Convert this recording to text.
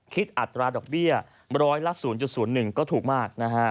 คิดอัตราดอกเบี้ย๑๐๐ละ๐๐๑บาทก็ถูกมาก